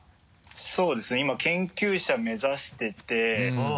そうですね今研究者目指しててうん。